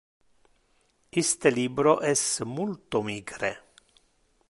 Iste libro es multo micre.